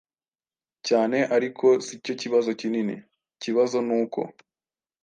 cyane ariko sicyo kibazo kinini, ikibazo ni uko